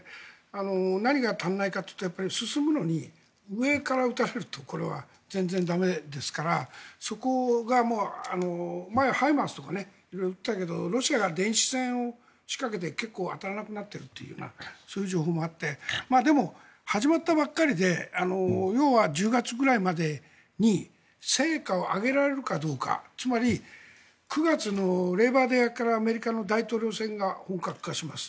何が足りないかというと進むのに上から撃たれると全然駄目ですからそこが前はＨＩＭＡＲＳとか色々撃ったけどロシアが電子戦を仕掛けて結構当たらなくなっているという情報もあってでも、始まったばかりで要は１０月ぐらいまでに成果を上げられるかどうかつまり９月のレイバー・デーからアメリカの大統領選挙が本格化します。